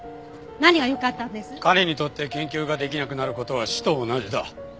彼にとって研究ができなくなる事は死と同じだ。